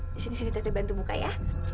disini sini tete bantu buka ya